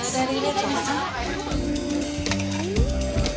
dari jawa barat